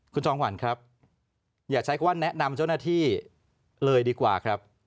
คุณจองหวันครับอย่าใช้คำว่าแนะนำเจ้าหน้าที่เลยดีกว่าครับ